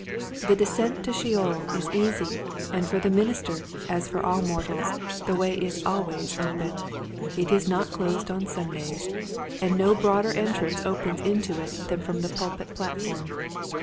The descent to Sheol is easy and for the minister as for all mortals the way is always open. It is not closed on Sundays and no broader entrance opens into it than from the pulpit platform.